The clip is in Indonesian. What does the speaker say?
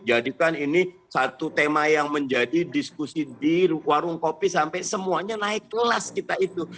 jadikan ini satu tema yang menjadi diskusi di warung kopi sampai semuanya naik kelas kita itu